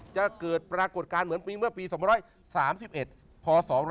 จะเกิดปรากฏการณ์เหมือนปีเมื่อปี๒๓๑พศ๒๕๖